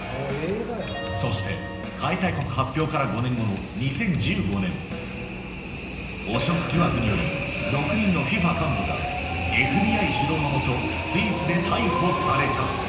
そして開催国発表から５年後の２０１５年、汚職疑惑により６人のＦＩＦＡ幹部が、ＦＢＩ主導の下、スイスで逮捕された。